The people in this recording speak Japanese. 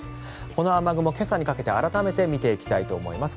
この雨雲、今朝にかけて改めて見ていきたいと思います。